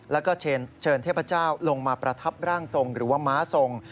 แล้วก็เชิญเทพเจ้าลงมาประทับร่างทรงหรือว่าม้าทรง